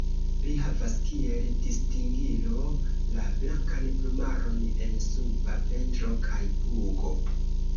Li havas kiel distingilo la blankan plumaron en suba ventro kaj pugo.